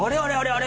あれ？